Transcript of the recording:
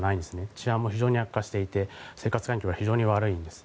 治安も非常に悪化していて生活環境が悪いです。